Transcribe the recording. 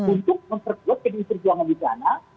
untuk memperkuat pdi perjuangan di sana